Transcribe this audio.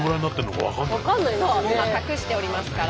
隠しておりますから。